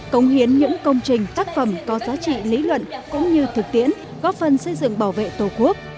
công hiến những công trình tác phẩm có giá trị lý luận cũng như thực tiễn góp phần xây dựng bảo vệ tổ quốc